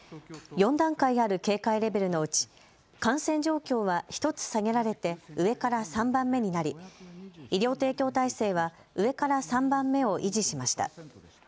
４段階ある警戒レベルのうち、感染状況は１つ下げられて上から３番目になり、医療提供体制は上から３番目を維持しました。